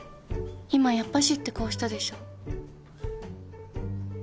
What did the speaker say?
今やっぱしって顔したでしょ？